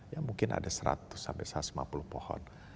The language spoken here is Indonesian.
ya mungkin ada seratus sampai satu ratus lima puluh pohon